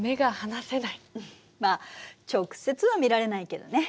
まあ直接は見られないけどね。